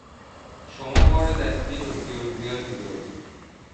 شما بار دستی بسیار زیادی دارید.